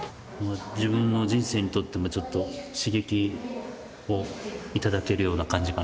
自分の人生にとってもちょっと刺激をいただけるような感じかなと思いますね。